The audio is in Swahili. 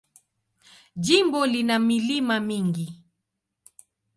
Jimbo lina milima mingi.